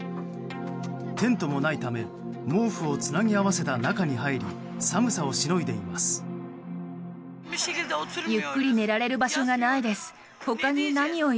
テントもないため毛布をつなぎ合わせた中に入り寒さをしのいでいます。